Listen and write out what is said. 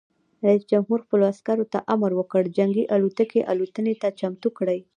رئیس جمهور خپلو عسکرو ته امر وکړ؛ جنګي الوتکې الوتنې ته چمتو کړئ!